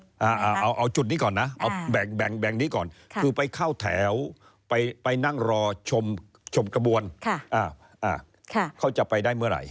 เอาเอาจุดนี้ก่อนนะเอาแบ่งแบ่งนี้ก่อนคือไปเข้าแถวไปนั่งรอชมชมกระบวนเขาจะไปได้เมื่อไหร่